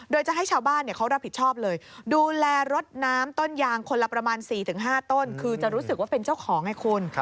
โดยจะให้ชาวบ้านเขารับผิดชอบเลยดูแลรถน้ำต้นยางคนละประมาณ๔๕ต้นคือจะรู้สึกว่าเป็นเจ้าของไงคุณ